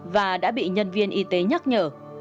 và đã bị nhân viên y tế nhắc nhở